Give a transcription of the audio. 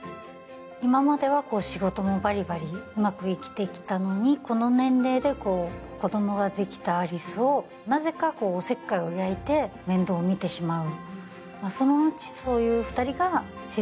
今までは仕事もバリバリうまく生きてきたのに、この年齢で子供ができた有栖をなぜかおせっかいを焼いて面倒をみてしまう。